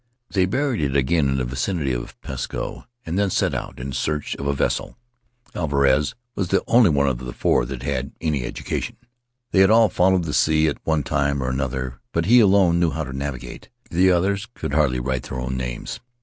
They buried it again in the vicinity of Pisco, and then set out in search of a vessel. Al varez was the only one of the four who had any educa tion. They had all followed the sea at one time or another, but he alone knew how to navigate. The Faery Lands of the South Seas others could hardly write their own names.